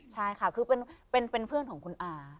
ใช่ค่ะคือเป็นเพื่อนของคุณอา